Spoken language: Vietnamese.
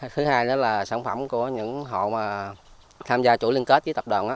thứ hai là sản phẩm của những hộ tham gia chủ liên kết với tập đoàn